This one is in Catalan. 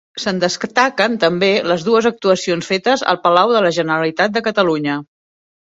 Se'n destaquen també les dues actuacions fetes al Palau de la Generalitat de Catalunya.